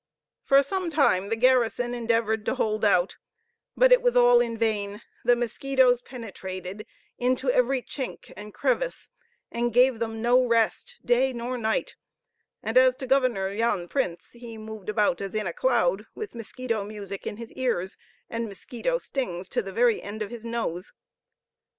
For some time the garrison endeavored to hold out, but it was all in vain; the mosquitos penetrated into every chink and crevice, and gave them no rest day nor night; and as to Governor Jan Printz, he moved about as in a cloud, with mosquito music in his ears, and mosquito stings to the very end of his nose.